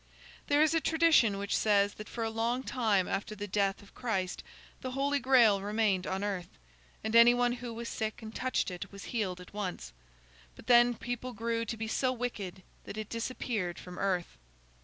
There is a tradition which says that for a long time after the death of Christ the Holy Grail remained on earth, and any one who was sick and touched it was healed at once. But then people grew to be so wicked that it disappeared from earth.